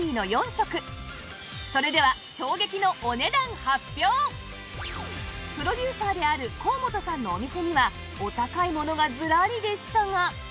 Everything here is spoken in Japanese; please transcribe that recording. それではプロデューサーである高本さんのお店にはお高いものがズラリでしたが